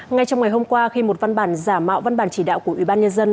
ngay trong ngày hôm qua khi một văn bản giả mạo văn bản chỉ đạo của ủy ban nhân dân